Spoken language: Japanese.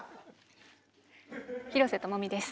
廣瀬智美です。